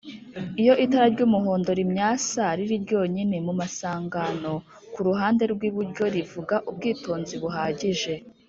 iyo itara ry’umuhondo rimyasa riri ryonyine mu amasangano kuruhande rw’iburyo rivuga ubwitonzi buhagije